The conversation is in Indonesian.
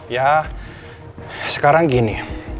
ya sekarang gini